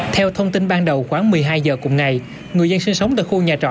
theo thông tin ban đầu khoảng một mươi hai giờ cùng ngày người dân sinh sống tại khu nhà trọ